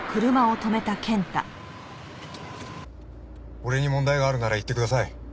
俺に問題があるなら言ってください。